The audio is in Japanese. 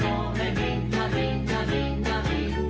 みんなみんなみんなみんな」